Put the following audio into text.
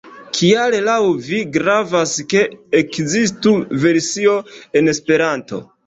Kial laŭ vi gravas, ke ekzistu versio en Esperanto?